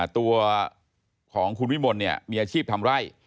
ตัวของคุณวิมนต์เนี่ยมีอาชีพทำไร้